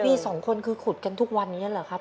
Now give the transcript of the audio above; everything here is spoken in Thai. มีสองคนคือขุดกันทุกวันนี้เหรอครับ